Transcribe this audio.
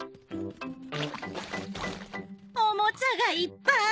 おもちゃがいっぱい！